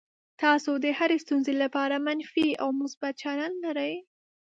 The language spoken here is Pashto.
تاسو د هرې ستونزې لپاره منفي او مثبت چلند لرئ.